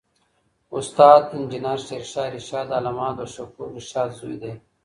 استاد انجینر شېرشاه رشاد د علامه عبدالشکور رشاد زوی دی